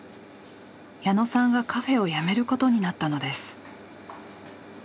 矢野さんがカフェを辞めることになったのです。